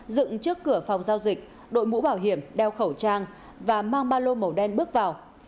dựng trước cửa phòng giao dịch đội mũ bảo hiểm đeo khẩu trang và mang ba lô màu đen bước vào